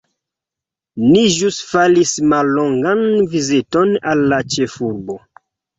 Ni ĵus faris mallongan viziton al la ĉefurbo.